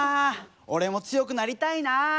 俺も強くなりたいな。